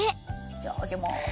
じゃあ上げます。